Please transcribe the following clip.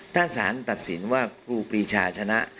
ถ้าสารตัดสินว่าครูปีชาชนะ